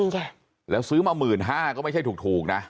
จากทางอินเทอร์เน็ตแล้วซื้อมา๑๕๐๐๐ก็ไม่ใช่ถูกนะ